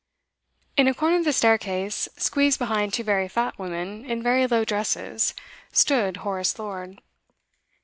In a corner of the staircase, squeezed behind two very fat women in very low dresses, stood Horace Lord.